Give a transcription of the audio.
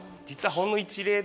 実は。